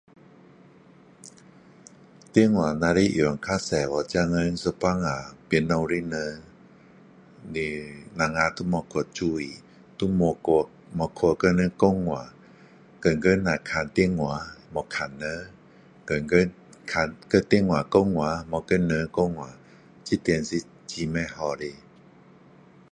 电话若是用太多去现在有时候啊旁边的人你我们都没去注意都没去没去跟人讲话天天只看电话没看人天天看跟电话讲话没跟人讲话这点是很不好的